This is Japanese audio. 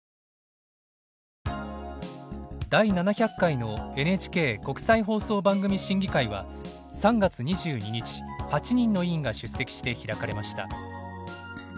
第７００回のＮＨＫ国際放送番組審議会は３月２２日８人の委員が出席して開かれました。